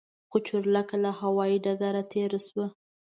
خو چورلکه له هوايي ډګر تېره شوه.